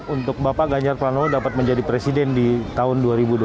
untuk bapak ganjar pranowo dapat menjadi presiden di tahun dua ribu dua puluh